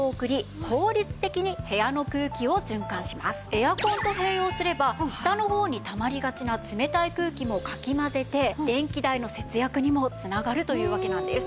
エアコンと併用すれば下の方にたまりがちな冷たい空気もかき混ぜて電気代の節約にも繋がるというわけなんです。